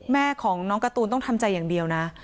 แม่ของน้องการ์ตูนต้องทำใจอย่างเดียวนะ